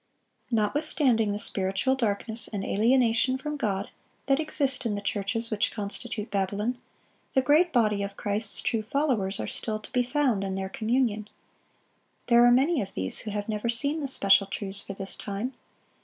Notwithstanding the spiritual darkness and alienation from God that exist in the churches which constitute Babylon, the great body of Christ's true followers are still to be found in their communion. There are many of these who have never seen the special truths for this time.